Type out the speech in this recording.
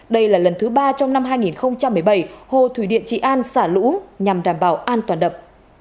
đây là lần thứ ba trong năm hai nghìn một mươi bảy hồ thủy điện trị an xả lũ nhằm đảm bảo an toàn đập